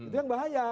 itu yang bahaya